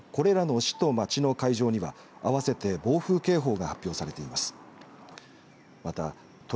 これらの市と町の海上には合わせて暴風警報が発表されています。